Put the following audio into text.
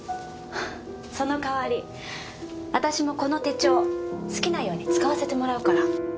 その代わり私もこの手帳好きなように使わせてもらうから。